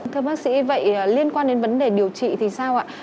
thưa bác sĩ vậy liên quan đến vấn đề điều trị thì sao ạ